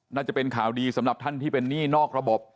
น่าจะเป็นข่าวดีสำหรับท่านที่เป็นหนี้นอกระบบ